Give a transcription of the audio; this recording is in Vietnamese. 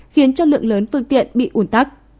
khiến cho lượng lớn phương tiện bị ủn tắc